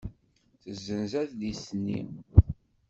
Tessenz adlis-nni.